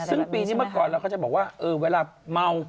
ซึ่งปีที่เมื่อก่อนเราก็จะบอกว่าเวลาเมา